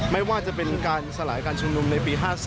ไม่ว่าจะเป็นการสลายการชุมนุมในปี๕๔